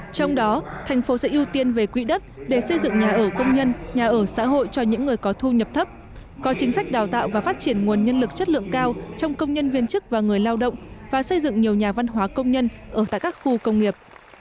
trong đó thành phố sẽ ưu tiên về quỹ đất để xây dựng nhà ở công nhân nhà ở xã hội cho những người có thu nhập thấp có chính sách đào tạo và phát triển nguồn nhân lực chất lượng cao trong công nhân viên chức và người lao động và xây dựng nhiều nhà văn hóa công nhân ở tại các khu công nghiệp